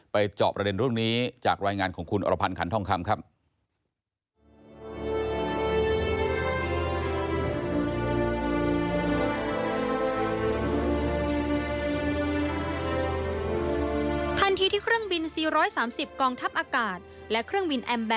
เจาะประเด็นเรื่องนี้จากรายงานของคุณอรพันธ์ขันทองคำครับ